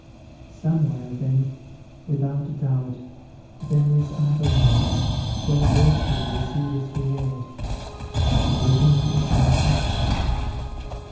"Somewhere, then, without doubt, there is another world, where virtue will receive its reward. Virginia is now happy.